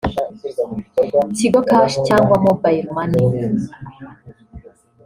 Tigo Cash cyangwa Mobile Money